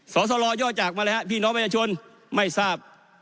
สอสอลอย่อจากมาเลยฮะพี่น้องมันจะชวนไม่ทราบ